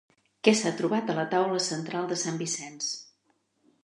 Què s'ha trobat a la taula central de sant Vicenç?